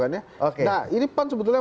nah ini pan sebetulnya